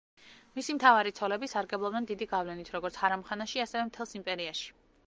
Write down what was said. მისი მთავარი ცოლები სარგებლობდნენ დიდი გავლენით როგორც ჰარამხანაში, ასევე მთელს იმპერიაში.